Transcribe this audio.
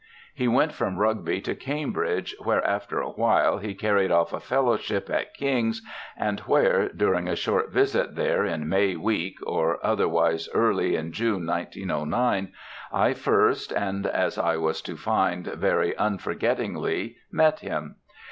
He went from Rugby to Cambridge, where, after a while, he carried off a Fellowship at King's, and where, during a short visit there in "May week," or otherwise early in June 1909, I first, and as I was to find, very unforgettingly, met him.